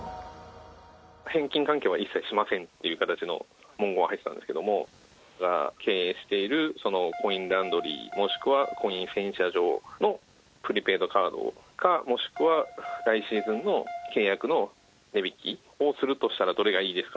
返金などは一切しませんという文言が入っていたんですけれど経営しているコインランドリーもしくは洗車場のプリペイドカードかもしくは来シーズンの契約の値引きをするとしたらどれがいいですか？